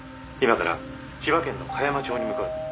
今から千葉県の香山町に向かう。